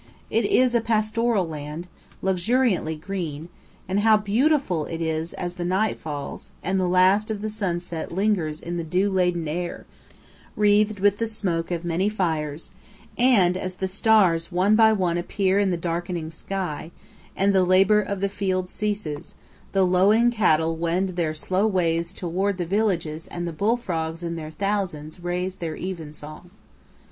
It is a pastoral land, luxuriantly green; and how beautiful it is as the night falls, and the last of the sunset lingers in the dew laden air, wreathed with the smoke of many fires; and, as the stars one by one appear in the darkening sky, and the labour of the field ceases, the lowing cattle wend their slow ways toward the villages and the bull frogs in their thousands raise their evensong.